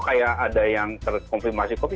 kayak ada yang terkomplimasi kopi